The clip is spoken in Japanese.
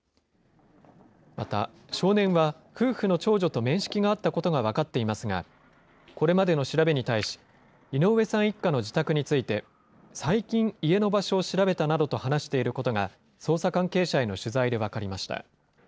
また、少年は夫婦の長女と面識があったことが分かっていますが、これまでの調べに対し、井上さん一家の自宅について、最近、家の場所を調べたなどと話していることが捜査関係者への取材で分かりました。